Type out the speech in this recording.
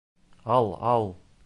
— Ал, ал.